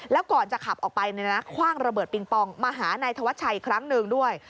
แล้วก่อนจะขับออกไปคว่างระเบิดปิงปองมาหานายธวัชชัยอีกครั้งหนึ่งด้วย